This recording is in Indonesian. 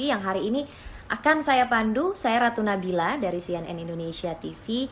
yang hari ini akan saya pandu saya ratu nabila dari cnn indonesia tv